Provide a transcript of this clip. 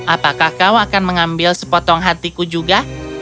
apakah kau akan mengambil sepotong hatiku juga